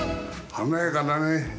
華やかだね。